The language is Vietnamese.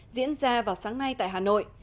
diễn ra vào sáng nay tại hà nội